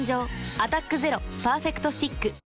「アタックＺＥＲＯパーフェクトスティック」